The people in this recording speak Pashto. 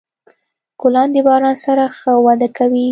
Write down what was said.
ګلان د باران سره ښه وده کوي.